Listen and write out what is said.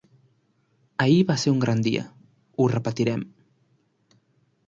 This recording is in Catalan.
Ahir va ser un gran dia: ho repetirem.